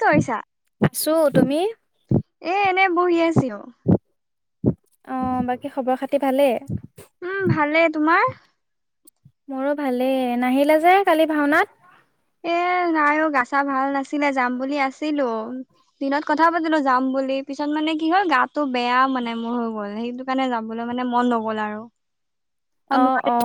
কি কৰিছা? আছো তুমি এ এনে বহি আছিলোঁ। অঁ, বাকী খবৰ খাতি ভালেই? উম, ভালে তোমাৰ? মোৰো ভালেই, নাহিলে যে কালি ভাওনাত? এ নাই ঔ গা চা গা ভাল নাছিলে যাম বুলি আছিলো, দিনত কথা পাতিলো যাম বুলি পিছত মানে কি হল গাটো বেয়া মানে মোৰ হৈ গ'ল, সেইটো কাৰণে যাবলৈ মানে মন নগল আৰু। অ অ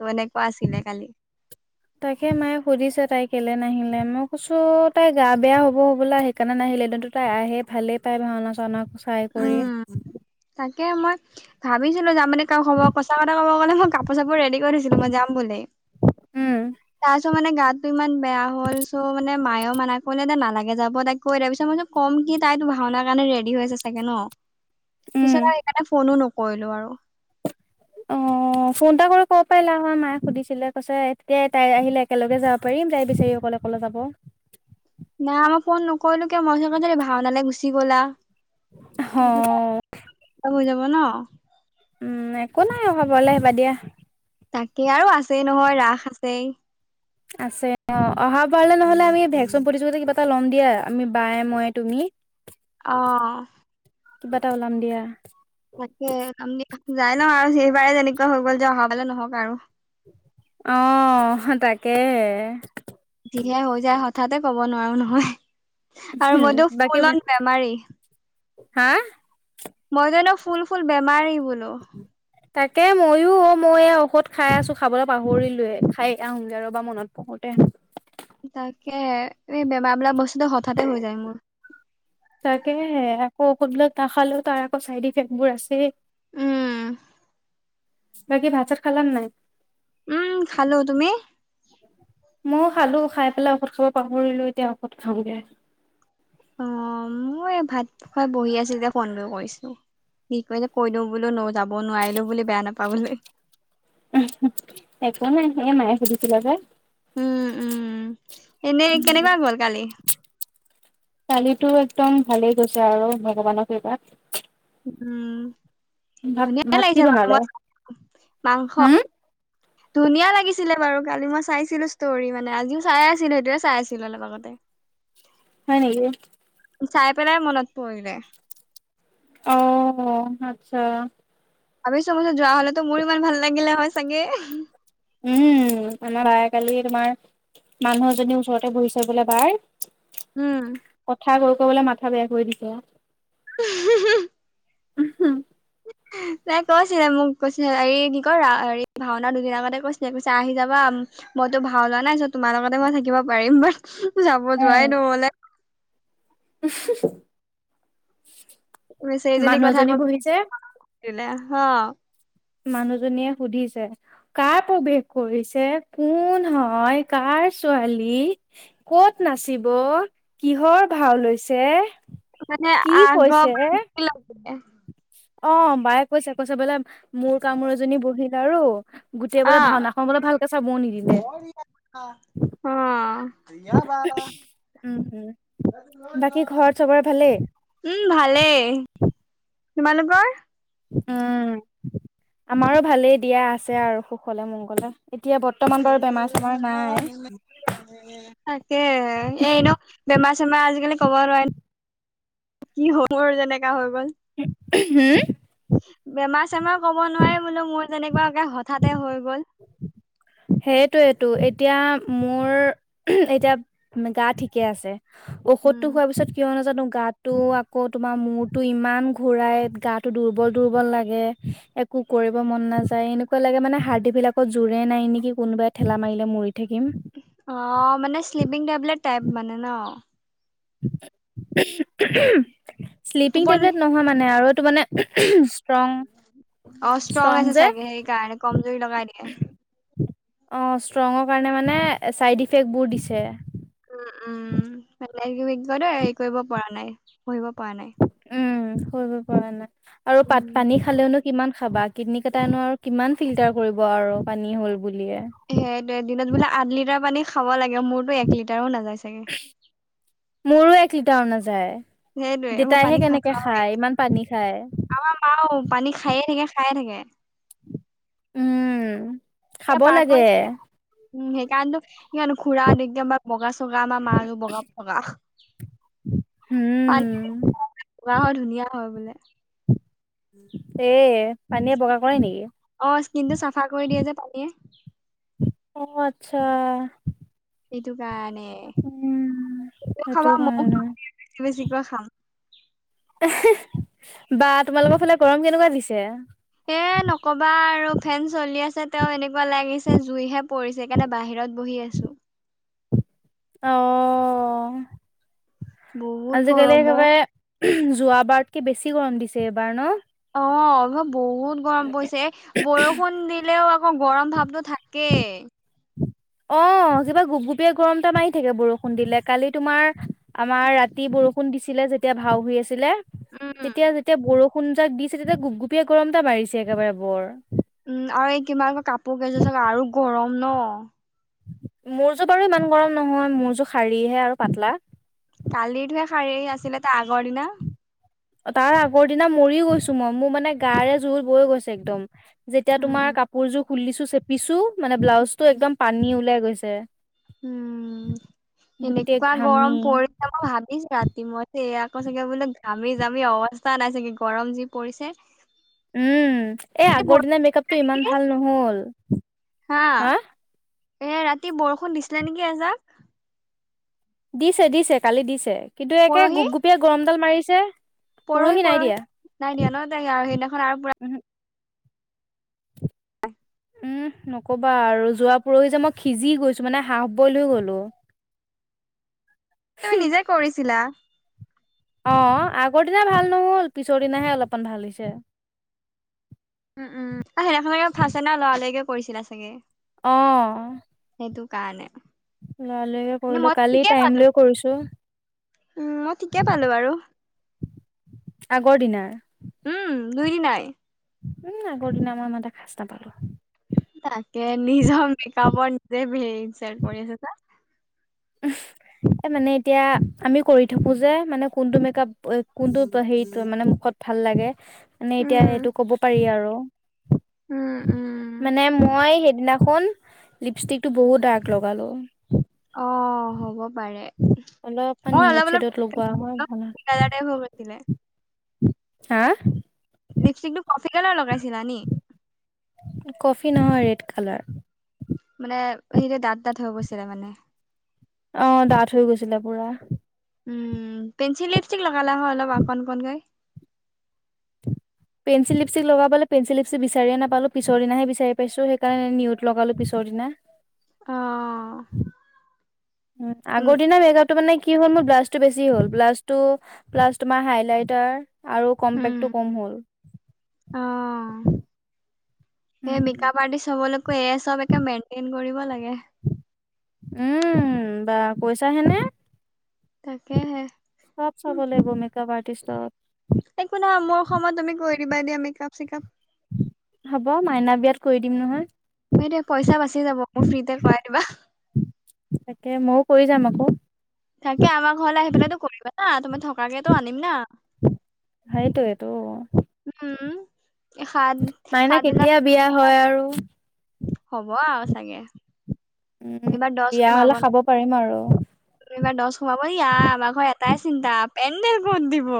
অঁ, এনেকুৱা আছিলে কালি। [inaudible] তাকে মায়ে সুধিছে তাই কেলে নাহিলে? মই কৈছো তাই গা বেয়া হ'ব হবলা। সেইকাৰণে নাহিলে এনেইটোত তাই আহে ভালেই পায় ভাওনা চাওনা চাই কৰি। উম তাকে মই ভাবিছিলো যাম মানে কা খব সঁচা কথা কব গ'লে মই কাপোৰ চাপোৰ ৰেডি কৰি থৈছিলো মই যাম বুলি উম তাৰছ টো মানে গাতটো ইমান বেয়া হ'ল চ' মানে মায়েও মানা কৰিলে দে নালাগে যাব তাইক কৈ দে তাছত মই বোলো কম কি তাই তো ভাওনাৰ কাৰণে ৰেডি হৈ আছে। থাকে ন উম পিছত আৰু সেইকাৰণে ফ'নো নকৰিলো আৰু। অ'। অ', ফ'ন এটা কৰি ক'ব পাৰিলা হয় মায়ে সুধিছিলে কৈছে এতিয়া তাই আহিলে একেলগে যাব পাৰিম তাই বেচিৰি অকলে অক অকলে যাব নাই মই ফ'ন নকৰিলো কিয় মই [unintelligible] ভাওনালে গুচি গলা কিনো হৈ যাব ন'। উম, একো নাই অহাবাৰলে আহিবা দিয়া। তাকে আৰু আছেই নহয় ৰাস আছেই। আছে অ অহা বাৰলে নহলে আমি ভেকচিন প্ৰতিযোগিতাতে কিবা এটা ল'ম দিয়া আমি বায়ে ময়ে তুমি অ কিবাটা ওলাম দিয়া তাকে আমদি যাই ন আৰু সেইবাৰেই তেনেকুৱা হৈ গ'ল যে অহা বাৰলে নহওক আৰু অঁ তাকেহে যিহে হৈ যায় হঠাতে ক'ব নোৱাৰো নহয় আৰু মইতো বাকী ফুল অন বেমাৰী হা মই জানো ফুল ফুল বেমাৰ বোল উম তাকে ময়ো অ', মই এই ঔষধ খাই আছো খাবলৈ পাহৰিলো খাই আহোংগে ৰবা মনত পৰোতে তাকেহে এই বেমাৰ বোলা বস্তুটো হঠাতে হৈ যায় মোৰ। তাকেহে আকৌ ঔষধ বিলাক নাখালেও তাৰ আকৌ চাইড ইফেক্ট বোৰ আছে। উম। বাকী ভাত চাত খালা নে নাই? উম, খালো তুমি? ময়ো খালো খাই পেলাই ঔষধ খাব পাহৰিলো এতিয়া ঔষধ খাওগে। অ [inaudible] মই ভাত খুৱাই বহি আছো যে ফোনটো কৰিছো কি কয় যে কৈ দিও বোলো ন যাব নোৱাৰিলো বুলি বেয়া নাপাবলৈ একো নাই এ মায়ে সুধিছিলে যে উম উম এনেই কেনেকুৱা গ'ল কালি কালিতো একদম ভালেই গৈছে আৰু ভগৱানৰ কৃপাত উম ভাত ধুনীয়াই ভাত কি লাগিছে বাৰু বনালে মই [unintelligible] মাংস হুম, ধুনীয়া লাগিছিলে বাৰু কালি মই চাইছিলো ষ্টৰি মানে আজিও চাই আছিলো সেইটোৱে চাই আছিলো অলপ আগতে হয় নিকি চাই পেলাই মনত পৰিলে অ আচ্ছা ভাবিছো মই যোৱা হ'লেতো মোৰো ইমান ভাল লাগিলে হয় চাগে উম আমাৰ বাই কালি তোমাৰ মানুহ এজনী ওচৰতে বহিছে বোলে বাৰ উম কথা কৈ কবলে মাথা বেয়া কৰি দিলোঁ। [inaudible] তাই কৈছিলে মোক কৈছিলে হেৰি কি কয় ৰা হেৰি ভাওনা দুদিন আগতে কৈছিলে কৈছে আহি যাবা মইতো ভাও লোৱা নাই চ' তোমাৰ লগতে মই থাকিব পাৰিম, বাট যাব অ' যোৱাই নহলে। [inaudible] বেচেৰীজনী কথা মানুহজনী কৈ বহিছে [unintelligible] মানুহজনীয়ে সুধিছে। কাৰ প্ৰৱেশ কৰিছে, কোন হয়, কাৰ ছোৱালী? ক'ত নাচিব, কিহৰ ভাও হৈছে? মানে আগ্ৰহ [unintelligible] অ', বায়ে কৈছে কৈছে বোলে মোৰ কামোৰ এজনী বহিল আৰু গোটেই অ বোলে ভাওনাখন বোলে ভালকে চাবও নিদিলে। অ', অ'। বাকী ঘৰত চবৰে ভালেই? উম, ভালেই। তোমালোকৰ? উম, আমাৰো ভালেই দিয়া আছে আৰু সুখলে মংগলে, এতিয়া ব [unintelligible] তাকে এইন বেমাৰ চেমাৰ আজিকালি কব নোৱাৰি, কি হ মোৰ যেনেকা হৈ গল। হম? বেমাৰ চেমাৰ কব নোৱাৰি বোলো মোৰ যেনেকুৱাকে হঠাতে হৈ গ'ল। সেইটোয়েটো এতিয়া মোৰ এতিয়া গা ঠিকে আছে। ঔষধটো উম হোৱাৰ পিছত কিয় নাজানো গাতটো আকৌ তোমাৰ মূৰটো ইমান ঘূৰাই গাটো দুৰ্বল দুৰ্বল লাগে। একো কৰিব মন নাযায় এনেকুৱা লাগে মানে হাৰ্ডী বিলাকত জোৰেই নাই নি কি কোনোবাই ঠেলা মাৰিলে মৰি থাকিম। অ', মানে শ্লিপিং টেবলেট টাইপ মানে ন? [inaudible] শ্লিপিং টোপনি টেবলেট নহয় মানে আৰু তো মানে ষ্ট্ৰং অ', ষ্ট্ৰং আছে চাগে সেই কাৰণে কমজুৰি লগাই দিয়ে। অ', ষ্ট্ৰঙৰ কাৰণে মানে ছাইড ইফেক্টবোৰ দিছে। উম, উম [unintelligible] হেৰি কৰিব পৰা নাই, পঢ়িব পৰা নাই। উম, কৰিব পৰা নাই। আৰু পাত উম পানী খালেওনো কিমান খাবা কিডনী কেইটাইনো আৰু কিমান ফিল্টাৰ কৰিব আৰু পানী হ'ল বুলিয়ে। সেইটোৱে দিনত বোলে আঠ লিটাৰ পানী খাব লাগে মোৰতো এক লিটাৰো নাযায় চাগে। মোৰো এক লিটাৰো সেইটোৱে নাযায়। মই পানী দেতাইহে কেনেকে নাখাওৱে খায় ইমান পানী খায়। আমাৰ মাও পানী খায়ে থাকে খায়ে থাকে। উম। এয়া খাব পাৰাক লাগে [unintelligible] উম, সেইকাৰণতো কিয়নো খুৰা [unintelligible] আমাৰ বগা চগা, আমাৰ মাৰো বগা বগা। পানী [unintelligible] উম পোৱা হয় ধুনীয়া হয় বোলে। এ, পানীয়ে বগা কৰে নেকি? অ স্কিন টো চাফা কৰি দিয়ে যে পানীয়ে অ', আচ্ছা সেইটো কাৰণে উম সেইটো খাবা মোকো কাৰণে খুৱাবি বেছি বেছিকৈ খাম। [inaudible] বা তোমালোকৰ ফালে গৰম কেনেকুৱা দিছে? এ, নকবা আৰু ফেন চলি আছে তেওঁ এনেকুৱা লাগিছে জুইহে পৰিছে। সেইকাৰণে বাহিৰত বহি আছো অ বহুত আজিকালি গৰম অ একেবাৰে যোৱা বাৰতকৈ বেছি গৰম দিছে এইবাৰ ন অ অ বহুত গৰম পৰিছে বৰষুণ দিলেও অ গৰম ভাপটো থাকেই অ কিবা গোপ গোপে গৰম এটা মাৰি থাকে বৰষুণ দিলে কালি তোমাৰ আমাৰ ৰাতি বৰষুণ দিছিলে যেতিয়া ভাও হৈু আছিলে উম তেতিয়া যেতিয়া বৰষুণ যাক দিছে তেতিয়া গুপগুপীয়া গৰম এটা বাঢ়িছে একেবাৰে বৰ উম আৰু এই কিমানকৈ কাপোৰ কেইযোৰ চাগ আৰু গৰম ন মোৰ যো বাৰু ইমান গৰম নহয় মোৰ যোৰ শাৰীহে আৰু পাতলা কালিতহে শাৰী আছিলে তাৰ আগৰ দিনা তাৰ আগৰ দিনা মৰি গৈছো মই মোৰ মানে গাৰে জোল বৈ গৈছে একদম যেতিয়া তোমাৰ উম। কাপোৰযোৰ খুলি দিছো চেপিছো মানে ব্লাউজ টো একদম পানী ওলাই গৈছে উম গোটেই এনেকুৱা গৰম ঘামি পৰি এয়া মই ভাবিছো ৰাতি মই আকৌ চাগে বোলো ঘামি জামি অৱস্থা নাই চাগে গৰম যি পৰিছে উম এ এই আগৰ বৰষুণ দিনা মেকআপটো ইমান দিয়ে ভাল নহল হা এ ৰাতি বৰষুণ দিছিলা নেকি এজাক দিছে দিছে কালি দিছে কিন্তু একে পৰহি গোপ গুপিয় গৰমডাল মাৰিছে পৰহি নাই পৰহি দিয়া। নাই দিয়া ন দে আৰু সেইদিনাখন আৰু পুৰা উম উম নকবা আৰু যোৱা পৰহি যে মই সিজি গৈছো মানে হাঁহ বইল হৈ গলো হয় তুমি নিজে কৰিছিলা অ আগৰ দিনা ভাল নহল পিছৰ দিনাহে অলপমান ভাল হৈছে উম উম সেইদিনাখনকে ফাৰ্ষ্ট দিনা লৰা লৰিকে কৰিছিলা চাগে অঁ সেইটো কাৰণে। লৰা লকে মানে কৰিলো মই কালি ঠিকে টাইম পালো লৈ কৰিছোঁ। মই ঠিকে পালোঁ বাৰু। আগৰ দিনাৰ। উম' দুই দিনাই। উম' আগৰ দিন মাৰ মতে খচটা পাৰো তাকে নিজৰ মেকআপৰ নিজে হে ইনছাল কৰি আছে চা উম এ মানে এতিয়া আমি কৰি থাকো যে মানে কোনটো মেকআপ কোনটো হেৰি মানে মুখত ভাল লাগে মানে এতিয়া সেইটো উম, কব পাৰি আৰু উম, উম, মানে মই সেইদিনা শুন লিপষ্টিক টো বহুত ডাৰ্ক লগালোঁ। অ' হ'ব পাৰে। অলপমান মই নিউড অলপ অলপ, চেডত লগোৱা হয় ভাল [unintelligible] হা। লিপষ্টিক টো কফি কালাৰ লগাইছিলা নি কফি নহয় ৰেড কালাৰ। মানে সেই দাঁত দাঁত হৈ গৈছিলে মানে। অ' ডাঠ হৈ গৈছিলে পুৰা। উম পেঞ্চিল লিপষ্টিক লগালা হয় অলপ অকণমানকৈ। পেঞ্চিল লিপষ্টিক লগাব পেঞ্চিল লিপচ বিচাৰি নাপালোঁ পিছৰ দিনাহে বিচাৰি পছোঁ সেইকাৰণে নিউত লগালো পিছৰ দিনা। অ'। উম' আগৰ দিনা বেগত ত' মানে কি হ'ল মোৰ ব্লাছটো বেছি হ'ল ব্লাছ টো প্লাছ তোমাৰ হাইলাইটাৰ, আৰু উম, কম্পেক্টো কম হ'ল। অ' সে উম, মিক। মেকাপ আৰ্টিচ হবলৈকো এই চব একে মেইনটেইন কৰিব লাগে। উম বা কৈছা হেনে। তাকেহে। চব চাব উম, লাগিব মেকআপ আৰ্টিষ্ট। একো নাই মোৰ সময়ত তুমি কৈ দিবা এ দিয়া মিকাপ চেকাপ। হ'ব মাইনা বিয়াত কৰি দিম নহয়। এতিয়া পইচা বাচি যাব মোক ফ্ৰীতে কৰাই দিবা। তাকে মও কৰি যাম আকৌ'। তাকে আমাৰ ঘৰলৈ আহি পেলাই কৰিবা না ত মই থকাকেতো আনিম না। [inaudible] এইটো। উম খাদ খাদনা [unintelligible] তাৰু। হ'ব আও চাগৈ। উম' বিয়া হলে খাব পাৰিম আৰু। তুমিবাৰ দছ সোমাব দিয়া আমাৰ ঘৰ এটাই চিন্তা পেণ্ডেল কত দিব।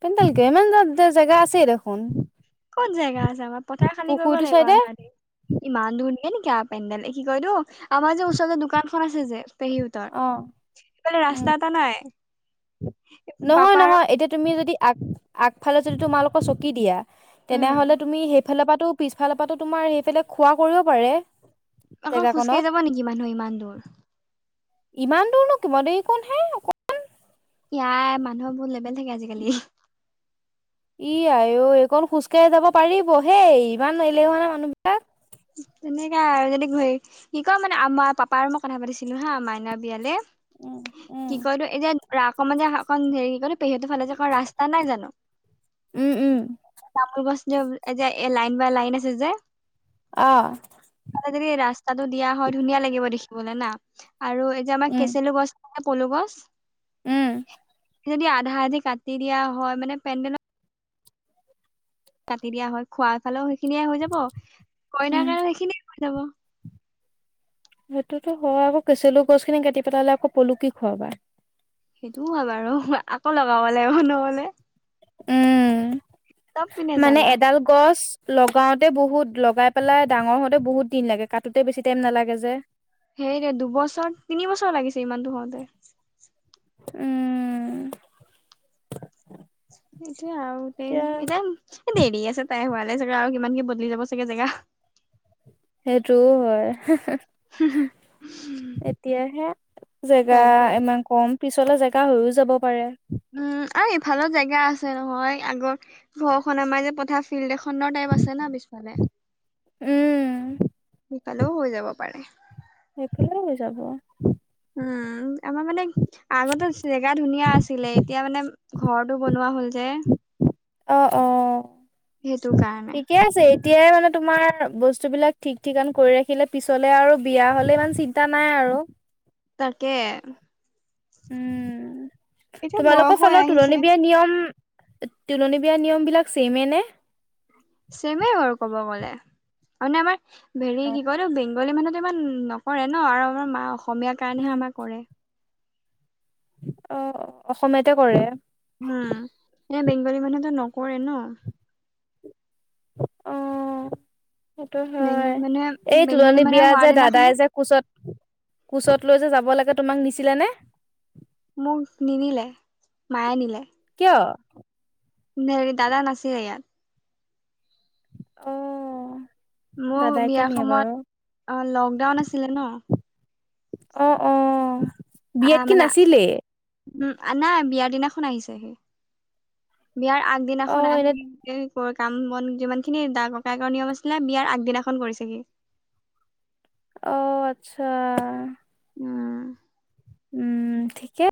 পেণ্টালকে ইমান জেগা আছে দেখোন [unintelligible] ক'ত জেগা আছে আমাৰ পথাৰ খালি কৰিব পুখুৰীটো লাগিব চাইডে আধা দিন। ইমান দূৰণিয়া নেকি আ পেণ্ডেল কি কয় কৰিলোঁ আমাৰ যে ওচৰতে দোকানখন আছে যে। পেহীহঁতৰ অ', সেইফালে উম। ৰাস্তা এটা নাই। নহয় পাপা আৰু নহয় এতিয়া তুমি যদি আগ আগফালে যদি তোমালোকৰ চকী দিয়া। উম তেনেহলে তুমি সেইফালৰ পৰা পিছফালৰ পৰা তোমাৰ সেইফালে খোৱা কৰিব পাৰে। আকৌ' খোজকাঢ়ি জেগাকনত। যাব নেকি মানুহে ইমান দূৰ। ইমান দূৰ নকিব দেই কোন হে। ইয়াই মানুহৰ বহুত লেবেল থাকে আজিকালি,। ই আই অ' এইকণ খোজ কঢ়ি যাব পাৰিবহে ইমানহ এলেহুৱা নে মানুহবিলাক। তেনেকা আৰু যেনেক কি ক মানে আমাৰ পাপাৰ মই কথা পাতিছিলো হা মাইনা বিয়ালে। উম, উম। কি কলো এতিয়া আকৌ মমান যে অকণ হেৰি কি কলো পেহতৰ ফালে যে অক ৰাস্তা নাই জানো। উম উম। কাম গছ যে এ যে লাইন বাই লাইন আছে যে। অ। যদি ৰাস্তাটো দিয়া হয় ধুনীয়া লাগিব দেখিবলে না আৰু এই যে আমাৰ উম। কেচেলু গছ,। পলু গছ উম, যদি আধা আধি কাটি দিয়া হয় মানে পেডেল। কাটি দিয়া হয খোৱাৰ ফালেও সেইখিনিয়ে হৈ যাব উম, কইনাৰ কাৰণে সেইখিনিয়ে হৈ যাব। সেইটোতো হয় আকৌ কেচেলু গছ খিনি কাটি পেলালে আকৌ' পলু কি খোৱা বা। সেইটোও হয়' বাৰু আকৌ লগাব লাগিব নহলে। উম চব পিনে মানে জ্বালা এডাল। গছ লগাওঁতে বহুত লগাই পেলাই ডাঙৰ হওঁতে বহুত দিন লাগে কাটোতে বেছি টাইম নালাগে যে। সেই দে দুবছৰ তিনি বছৰ লাগিছে ইমানতটো হওঁতে। উম এতিয়া আৰু কেই এতিয়া এটিয়া এ দেৰি আছে তাই হোৱালে চাগা আৰু কিমান কি বদলি যাব চাগে জেগা। সেইটোও হয় এতিয়াহে জেগা তাকে ইমান কম, পিছলে জেগা হৈও যাব পাৰে। উম এ ইফালো জেগা আছে নহয় আগৰ ঘৰখন আমাৰ যে পথাৰ ফিল্ড এখনৰ টাইপ আছে না পিছফালে উম সিফালেও হৈ যাব পাৰে। সেইফালে হৈ যাব। উম আমাৰ মানে আগতে জেগা ধুনীয়া আছিলে, এতিয়া মানে ঘৰটো বনোৱা হ'ল যে। অ' অ'। সেইটো কাৰণে। ঠিকে আছে এতিয়াই মানে তোমাৰ বস্তুবিলাক ঠিক ঠিকান কৰি ৰাখিলে পিছলে আৰু বিয়া হলে ইমান চি ন্তা নাই আৰু। তাকে। উম, এতিয়া বয়স তোমালোকৰ হৈ ফালে আহিছে তুলনী বিয়া নিয়ম তুলনী বিয়া নিয়ম বিলাক ছেমে নে? ছেমে বাৰু ক'ব গ'লে আৰু মানে আমাৰ হেৰি কি কয় এইটো বেংগলী মানুহতো ইমান নকৰে ন, আৰু আমাৰ মাঁ অসমীয়া কাৰণেহে উম, আমাৰ কৰে। অ' অ' অসমীয়াতে কৰে? উম এ বেংগলী মানুহটো নকৰে ন। অ' সেইটো হয়। বেংগলী মানুহে এই বেংগলী তুলনী মানুহে বিয়া হোৱাৰ যে দাদাই দিনাখনে যে কোচত কোচত লৈ যে যাব লাগে তোমাক নিছিলে নে? মোক নিনিলে, মায়ে নিলে। কিয়? হেৰি দাদা নাছিলে ইয়াত। অঁহহ। মোৰ বিয়া সময়ত অ লকডাউন আছিলে ন। অ' অ'। আ বিয়াত কি মানে নাছিলেই উম নাই বিয়াৰ দিনাখন আহিছে সি বিয়াৰ অ আগদিনাখন এনে আহি কাম বন যিমান খিনি দা ককাইকৰ নিয়ম আছিলে বিয়াৰ আগদিনাখন কৰিছে সি। অ' আচ্ছা। উম। উম ঠিকে